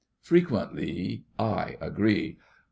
Frequentlee, I agree.